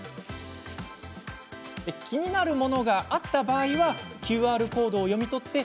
気になるものがあった場合はＱＲコードを読み取り